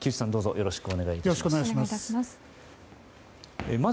よろしくお願いします。